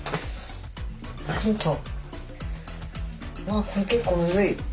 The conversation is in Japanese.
あこれ結構むずい。